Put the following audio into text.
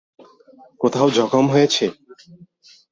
কোথাও জখম হয়েছে?